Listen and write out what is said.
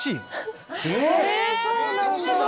そうなんだ。